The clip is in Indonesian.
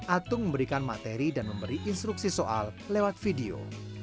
atung memberikan materi dan memberi instruksi soal lewat video